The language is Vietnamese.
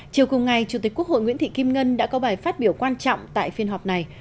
chiều cùng ngày chủ tịch quốc hội nguyễn thị kim ngân đã có bài phát biểu quan trọng tại phiên họp này